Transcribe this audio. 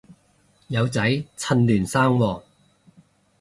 有仔趁嫩生喎